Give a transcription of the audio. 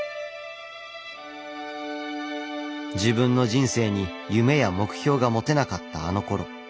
自分の人生に夢や目標が持てなかったあのころ。